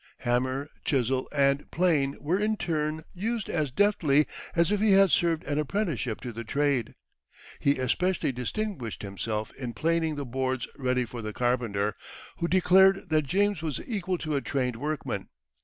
Hammer, chisel, and plane were in turn used as deftly as if he had served an apprenticeship to the trade. He especially distinguished himself in planing the boards ready for the carpenter, who declared that James was equal to a trained workman.